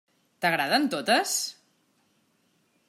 T'agraden totes?